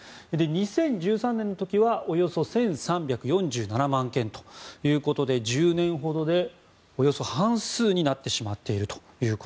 ２０１３年はおよそ１３４７万件ということで１０年ほどで、およそ半数になってしまっていると。